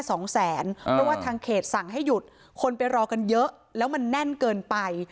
เพราะว่าทางเขตสั่งให้หยุดคนไปรอกันเยอะแล้วมันแน่นเกินไป